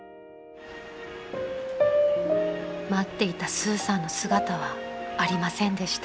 ［待っていたスーさんの姿はありませんでした］